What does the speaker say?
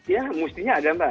ya mestinya ada mbak